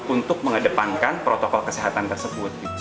untuk mengedepankan protokol kesehatan tersebut